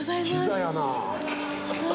キザやな。